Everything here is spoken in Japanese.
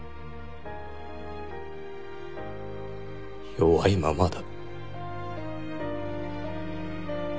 弱いままだ。